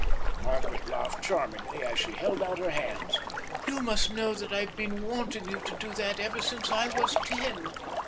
Margaret laughed charmingly as she held out her hands. "You must know that I've been wanting you to do that ever since I was ten."